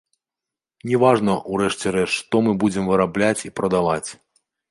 Не важна ў рэшце рэшт што мы будзем вырабляць і прадаваць.